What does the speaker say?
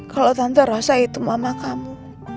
kalau tante rasa itu mama kamu